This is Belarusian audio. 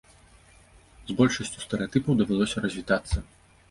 З большасцю стэрэатыпаў давялося развітацца.